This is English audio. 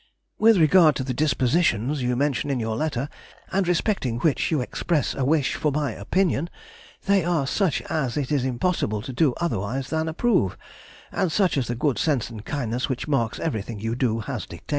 With regard to the dispositions you mention in your letter, and respecting which you express a wish for my opinion, they are such as it is impossible to do otherwise than approve, and such as the good sense and kindness which marks everything you do has dictated.